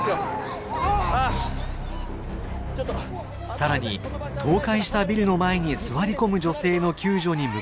更に倒壊したビルの前に座り込む女性の救助に向かいますが。